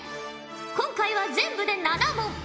今回は全部で７問。